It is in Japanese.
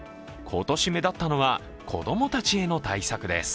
今年目立ったのは子供たちへの対策です。